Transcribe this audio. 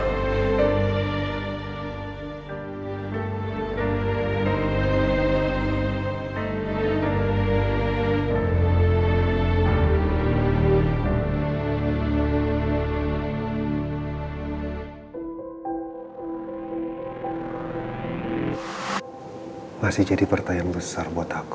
hai masih jadi pertanyaan besar buat aku